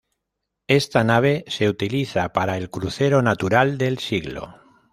Esta nave se utiliza para el "Crucero Natural del Siglo".